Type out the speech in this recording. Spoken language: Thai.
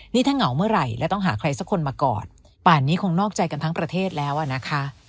นี่ถ้าเหงาเมื่อไหร่และต้องหาใครสักคนมากอดป่านนี้คงนอกใจกันทั้งประเทศแล้วอ่ะนะคะ